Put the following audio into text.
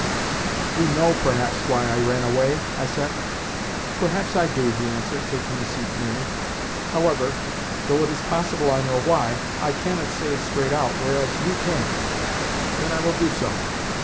"You know, perhaps, why I ran away?" I said. "Perhaps I do," he answered, taking a seat near me. "However, though it is possible I know why, I cannot say it straight out, whereas you can." "Then I will do so.